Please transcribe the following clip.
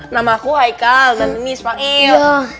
nama aku haikal dan ini ismail